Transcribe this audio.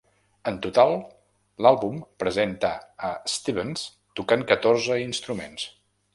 En total, l'àlbum presenta a Stevens tocant catorze instruments.